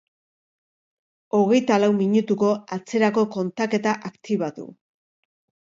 Hogeita lau minutuko atzerako kontaketa aktibatu.